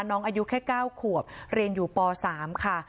อายุแค่๙ขวบเรียนอยู่ป๓ค่ะ